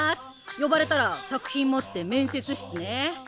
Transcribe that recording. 呼ばれたら作品持って面接室ね。